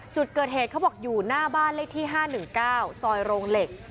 จุดเกิดเหตุเขาบอกอยู่หน้าบ้านเลขที่๕๑๙ซอยโรงเหล็ก